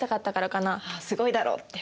「すごいだろ」って。